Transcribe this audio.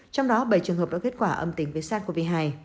trong đó bảy trường hợp đã kết quả âm tính với sars cov hai